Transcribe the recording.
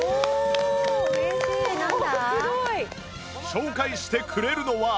紹介してくれるのは